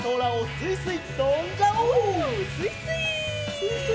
すいすい！